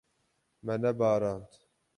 Me nebarand.